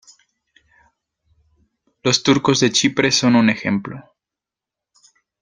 Los turcos de Chipre son un ejemplo.